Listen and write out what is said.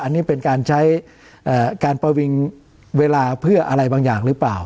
อันนี้เป็นการใช้การประวิงเวลาเพื่ออะไรบางอย่างหรือเปล่า